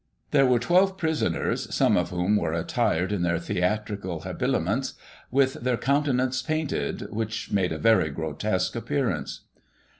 [1838 There were twelve prisoners, some of whom were attired in their theatrical habiliments, with their countenances painted, which made a very grotesque appearance.